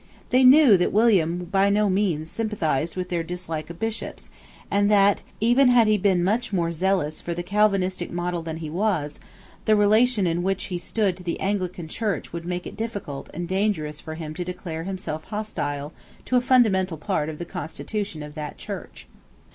They knew that William by no means sympathized with their dislike of Bishops, and that, even had he been much more zealous for the Calvinistic model than he was, the relation in which he stood to the Anglican Church would make it difficult and dangerous for him to declare himself hostile to a fundamental part of the constitution of that Church.